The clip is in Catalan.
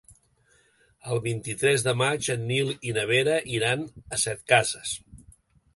El vint-i-tres de maig en Nil i na Vera iran a Setcases.